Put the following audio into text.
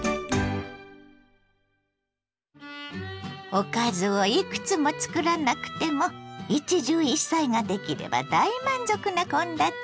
おかずをいくつもつくらなくても一汁一菜ができれば大満足な献立に。